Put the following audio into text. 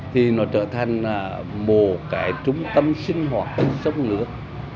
thì nó trở thành một cái trung tâm sinh hoạt ở sông nước